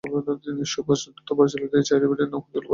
সুভাষ দত্ত পরিচালিত এই ছায়াছবিটির শিরোনাম ছিল বসুন্ধরা।